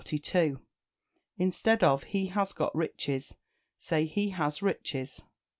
Instead of "He has got riches," say "He has riches."